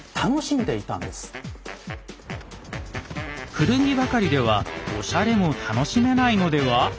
古着ばかりではおしゃれも楽しめないのでは？